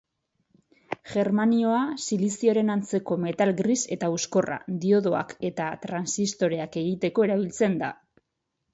Germanioa, silizioaren antzeko metal gris eta hauskorra, diodoak eta transistoreak egiteko erabiltzen da.